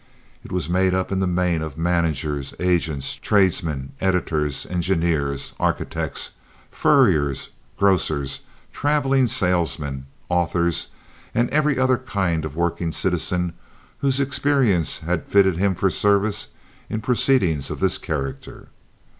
It was made up in the main of managers, agents, tradesmen, editors, engineers, architects, furriers, grocers, traveling salesmen, authors, and every other kind of working citizen whose experience had fitted him for service in proceedings of this character.